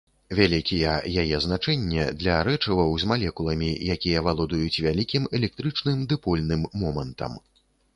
Вялікія яе значэнне для рэчываў з малекуламі, якія валодаюць вялікім электрычным дыпольным момантам.